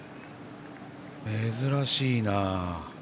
珍しいな。